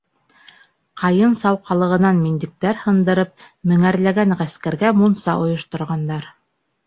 Ҡайын сауҡалығынан миндектәр һындырып меңәрләгән ғәскәргә мунса ойошторғандар.